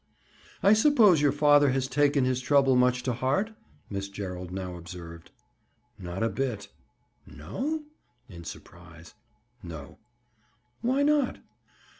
"I suppose your father has taken his trouble much to heart?" Miss Gerald now observed. "Not a bit." "No?" In surprise. "No." "Why not?"